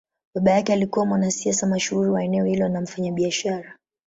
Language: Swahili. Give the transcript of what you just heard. Baba yake alikuwa mwanasiasa mashuhuri wa eneo hilo na mfanyabiashara.